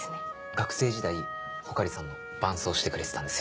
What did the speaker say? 学生時代穂刈さんの伴奏してくれてたんですよね。